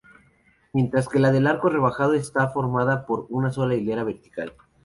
Mientras que la del arco rebajado está formada por una sola hilera vertical.